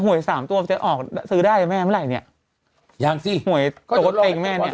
ห่วยสามตัวจะออกซื้อได้รึแม่เหมือนไหร่อย่างนั้นยังสิ